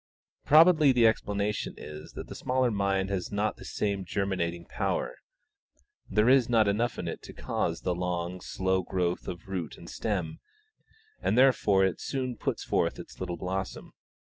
Probably the explanation is that the smaller mind has not the same germinating power; there is not enough in it to cause the long, slow growth of root and stem, and therefore it soon puts forth its little blossom.